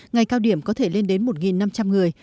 ngày cao điểm có thể lên đến một năm trăm linh người